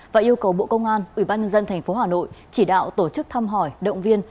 và yêu cầu bộ công an ubnd tp hà nội chỉ đạo tổ chức thăm hỏi động viên